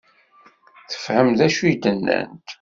Tefhem d acu i d-nnant?